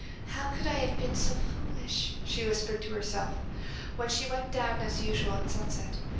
'How could I have been so foolish,' she whispered to herself, when she went down as usual at sunset.